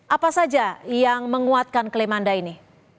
apa saja yang menguatkan klaim anda ini